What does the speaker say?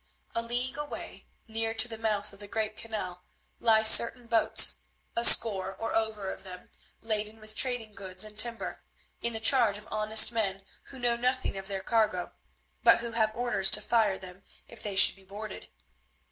A league away, near to the mouth of the great canal, lie certain boats, a score or over of them, laden with trading goods and timber, in the charge of honest men who know nothing of their cargo, but who have orders to fire them if they should be boarded.